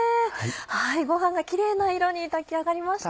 ごはんがキレイな色に炊き上がりました。